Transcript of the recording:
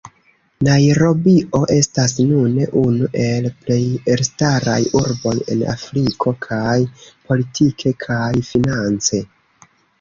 Najrobio estas nune unu el plej elstaraj urboj en Afriko, kaj politike kaj finance.